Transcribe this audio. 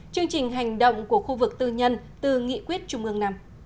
chương trình hành động của khu vực tư nhân từ nghị quyết trung ương năm